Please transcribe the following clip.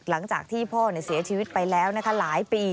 หลังจากที่พ่อเสียชีวิตไปแล้วนะคะหลายปี